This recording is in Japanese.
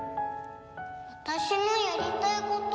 私のやりたいこと？